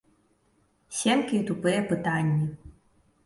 Семкі і тупыя пытанні.